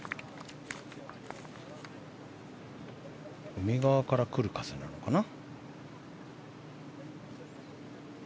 海側から来る風なのかな。